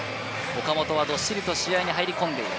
岡本はどっしりと試合に入り込んでいる。